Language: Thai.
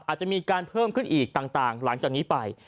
อาจจะมีการเพิ่มขึ้นอีกต่างหลังจากนี้ไป